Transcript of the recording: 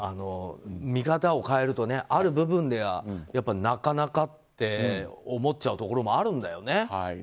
見方を変えるとある部分では、なかなかって思っちゃうところもあるんだよね。